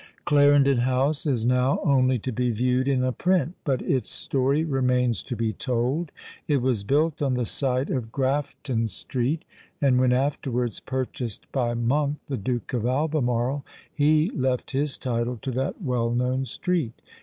Clarendon House is now only to be viewed in a print; but its story remains to be told. It was built on the site of Grafton street; and when afterwards purchased by Monk, the Duke of Albemarle, he left his title to that well known street.